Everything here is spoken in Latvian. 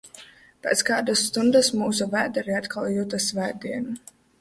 Pēc kādas stundas mūsu vēderi atkal juta svētdienu.